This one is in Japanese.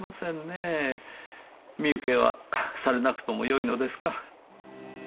身請けはされなくともよいのですか？